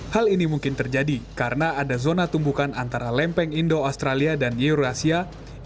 hal ini mungkin terjadi karena ada zona tumbukan antara lempeng indo australia dan eurasia